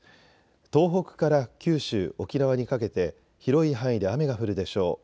東北から九州、沖縄にかけて広い範囲で雨が降るでしょう。